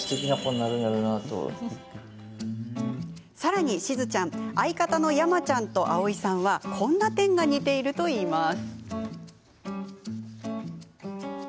さらに、しずちゃん相方の山ちゃんと蒼井さんはこんな点が似ていると言います。